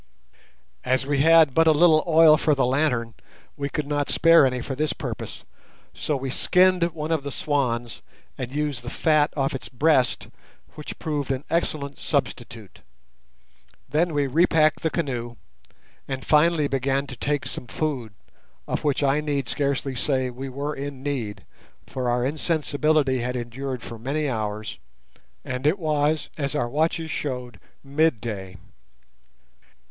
As we had but a little oil for the lantern, we could not spare any for this purpose, so we skinned one of the swans, and used the fat off its breast, which proved an excellent substitute. Then we repacked the canoe, and finally began to take some food, of which I need scarcely say we were in need, for our insensibility had endured for many hours, and it was, as our watches showed, midday.